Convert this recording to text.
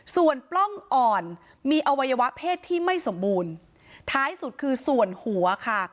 ส่วนปล้องอ่อนมีอวัยวะเพศที่ไม่สมบูรณ์ท้ายสุดคือส่วนหัวค่ะ